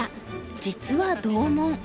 実は同門。